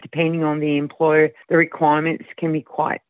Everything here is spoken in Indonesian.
berdasarkan pekerjaan kebutuhan bisa sangat